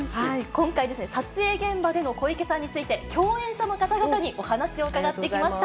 今回ですね、撮影現場での小池さんについて、共演者の方々にお話を伺ってきました。